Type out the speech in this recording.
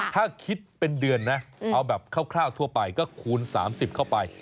ถ้าคิดเป็นเดือนนะเอาแบบคร่าวทั่วไปก็คูณ๓๐เข้าไป